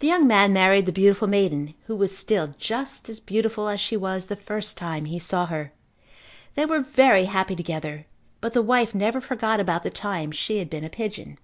The young man married the beautiful maiden who was still just as beautiful as she was the first time he saw her. They were very happy together but the wife never forgot about the time she had been a pigeon.